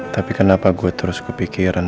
tapi kenapa gue terus kepikiran